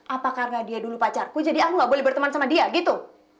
apa karena dia dulu pacarku jadi aku gak boleh berteman sama dia gitu